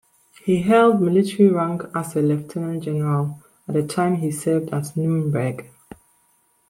He held military rank as a Lt.General at the time he served at Nuremberg.